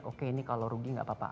oke ini kalau rugi nggak apa apa